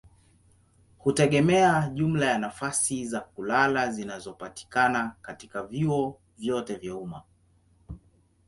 hutegemea jumla ya nafasi za kulala zinazopatikana katika vyuo vyote vya umma.